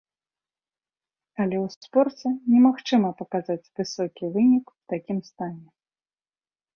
Але ў спорце немагчыма паказаць высокі вынік у такім стане.